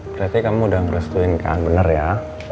berarti kamu udah ngerustuin kakak bener ya